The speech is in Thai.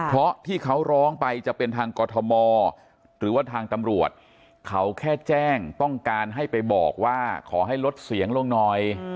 เพราะที่เขาร้องไปจะเป็นทางกรทมหรือว่าทางตำรวจเขาแค่แจ้งต้องการให้ไปบอกว่าขอให้ลดเสียงลงหน่อย